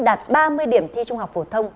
đạt ba mươi điểm thi trung học phổ thông